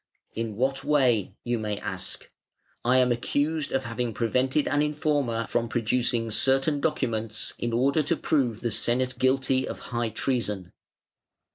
'In what way?' you may ask. I am accused of having prevented an informer from producing certain documents in order to prove the Senate guilty of high treason.